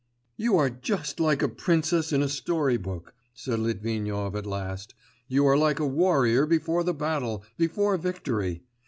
'You are just like a princess in a story book,' said Litvinov at last. 'You are like a warrior before the battle, before victory....